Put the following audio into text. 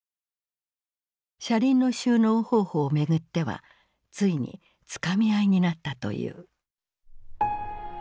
車輪の収納方法を巡ってはついにつかみ合いになったという。